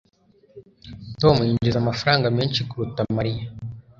Tom yinjiza amafaranga menshi kuruta Mariya